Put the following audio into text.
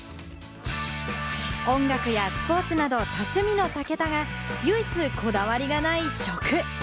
音楽やスポーツなど多趣味の武田が唯一こだわりがない食。